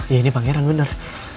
ya ini pangeran bener